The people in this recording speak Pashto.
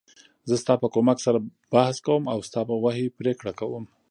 زه ستا په کومک سره بحث کوم او ستا په وحی پریکړه کوم .